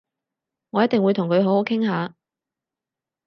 我一定會同佢好好傾下